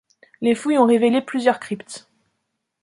Les fouilles ont révélé plusieurs cryptes.